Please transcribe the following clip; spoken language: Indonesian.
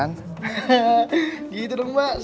hahaha gitu dong mbak